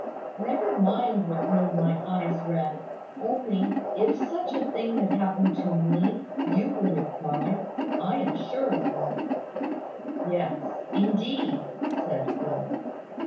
Never mind what made my eyes red; only, if such a thing had happened to me, you would have cried, I am sure of that." "Yes, indeed," said Phil.